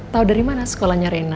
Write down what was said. tahu dari mana sekolahnya rena